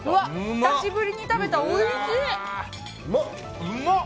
久しぶりに食べたらおいしい！